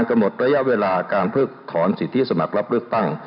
ระยะเวลาการเพิ่มถอนสิทธิสมัครับเลือกตั้ง